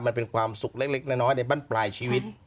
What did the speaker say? มันเป็นความสุขเล็กน้อยในบ้านปลายชีวิต